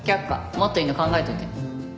もっといいの考えておいて。